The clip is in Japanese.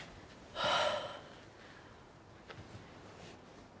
はあ。